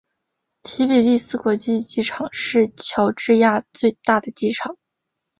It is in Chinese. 提比利斯国际机场是乔治亚最大的机场。